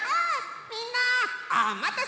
みんなおまたせ！